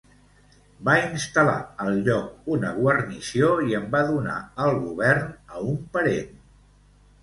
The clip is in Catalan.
Va instal·lar al lloc una guarnició i en va donar el govern a un parent.